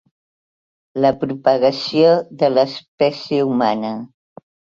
La propagació de l'espècie humana.